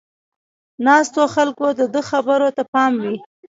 ناستو خلکو د ده خبرو ته پام و.